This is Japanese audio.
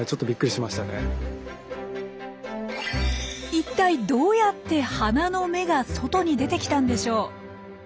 いったいどうやって花の芽が外に出てきたんでしょう？